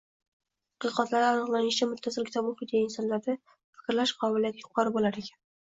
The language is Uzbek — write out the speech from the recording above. Tadqiqotlarda aniqlanishicha, muttasil kitob o‘qiydigan insonlarda fikrlash qobiliyati yuqori bo‘lar ekan.